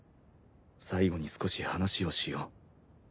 最後に少し話をしよう。